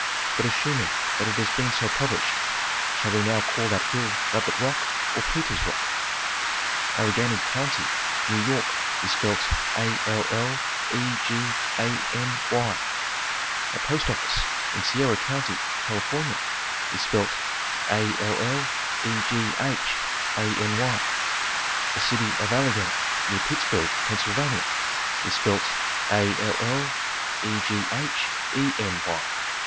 But assuming that it has been so published, shall we now call that hill Rabbit Rock or Peter's Rock ? Allegany County, New York, is spelled Allegany. <A post of fice in Sierra County, California, is spelled Alleghany ; the city of Allegheny near Pittsburg, Pennsylvania, is spelled Allegheny.